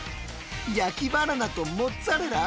焼きバナナとモッツァレラ！？